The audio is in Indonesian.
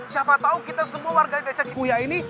siapa tau kita semua warga desa sikuya ini